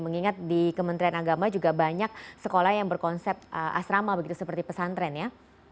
mengingat di kementerian agama juga banyak sekolah yang berkonsep asrama begitu seperti pesantren ya